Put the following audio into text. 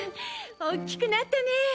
おっきくなったね！